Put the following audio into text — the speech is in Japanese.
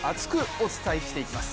お伝えしていきます。